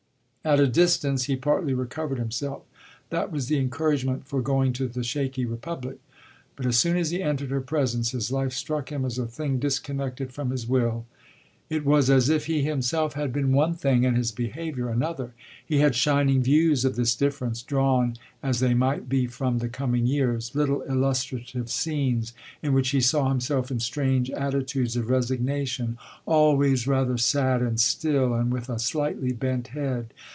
At a distance he partly recovered himself that was the encouragement for going to the shaky republic; but as soon as he entered her presence his life struck him as a thing disconnected from his will. It was as if he himself had been one thing and his behaviour another; he had shining views of this difference, drawn as they might be from the coming years little illustrative scenes in which he saw himself in strange attitudes of resignation, always rather sad and still and with a slightly bent head.